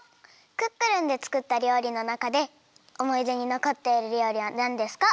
「クックルン」でつくったりょうりのなかでおもいでにのこっているりょうりはなんですか？